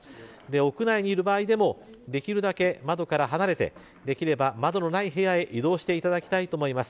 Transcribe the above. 屋内にいる場合でもできるだけ窓から離れてできれば窓のない部屋へ移動していただきたいと思います。